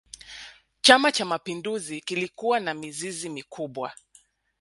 chama cha mapinduzi kilikuwa na mizizi mikubwa